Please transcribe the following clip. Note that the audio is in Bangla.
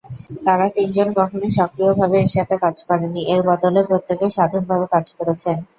তারা তিনজন কখনও সক্রিয়ভাবে একসাথে কাজ করেননি, এর বদলে প্রত্যেকেই স্বাধীনভাবে কাজ করেছেন।